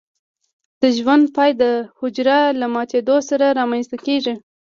د ژوند پای د حجره له ماتیدو سره رامینځته کیږي.